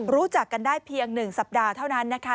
รู้จักกันได้เพียง๑สัปดาห์เท่านั้นนะคะ